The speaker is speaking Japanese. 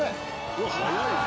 うわっ速い。